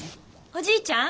おじいちゃん？